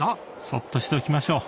そっとしておきましょう。